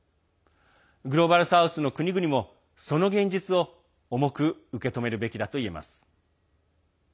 グローバル・サウスの国々もその現実を重く受け止めるべきだといえます。